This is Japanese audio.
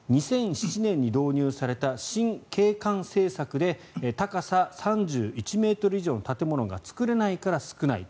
２００７年に導入された新景観政策で高さ３１ｍ以上の建物が造れないから少ない。